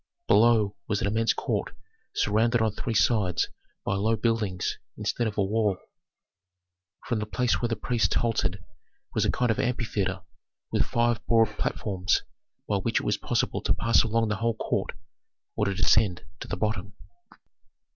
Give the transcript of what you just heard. Below was an immense court surrounded on three sides by low buildings instead of a wall. From the place where the priests halted was a kind of amphitheatre with five broad platforms by which it was possible to pass along the whole court or to descend to the bottom.